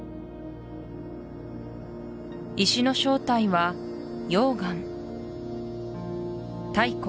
石の正体は溶岩太古